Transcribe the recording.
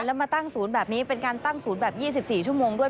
แล้วมาตั้งศูนย์แบบนี้เป็นการตั้งศูนย์แบบ๒๔ชั่วโมงด้วย